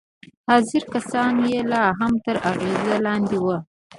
حاضر کسان يې لا هم تر اغېز لاندې وو.